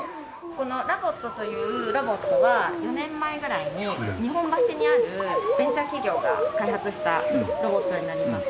このラボットというロボットは４年前ぐらいに日本橋にあるベンチャー企業が開発したロボットになります。